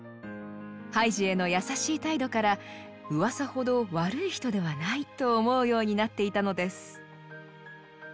ハイジへの優しい態度からうわさほど悪い人ではないと思うようになっていたのです。